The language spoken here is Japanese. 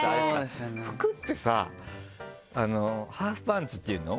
服ってさハーフパンツっていうの？